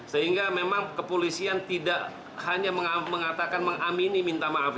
sehingga memang kepolisian tidak hanya mengatakan mengamini minta maaf